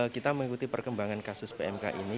kita mengikuti perkembangan kasus pmk ini